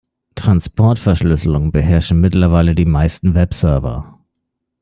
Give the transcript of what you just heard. Transportverschlüsselung beherrschen mittlerweile die meisten Webserver.